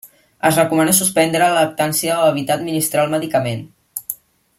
Es recomana suspendre la lactància o evitar administrar el medicament.